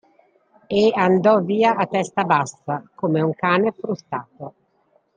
E andò via a testa bassa, come un cane frustato.